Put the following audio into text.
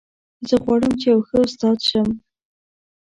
زه غواړم چې یو ښه استاد شم